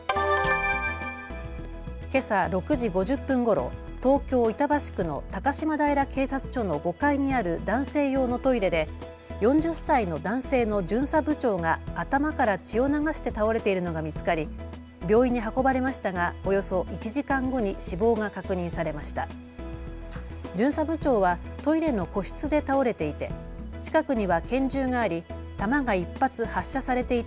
けさ６時５０分ごろ、東京板橋区の高島平警察署の５階にある男性用のトイレで４０歳の男性の巡査部長が頭から血を流して倒れているのが見つかり病院に運ばれましたがおよそ１時間後に死亡が確認されました。